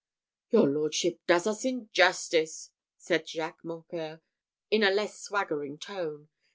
"Your lordship does us injustice," said Jacques Mocqueur, in a less swaggering tone.